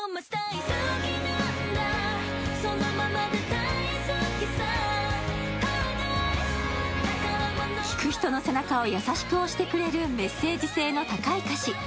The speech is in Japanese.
大豆麺キッコーマン聴く人の背中を優しく押してくれるメッセージ性の高い歌詞。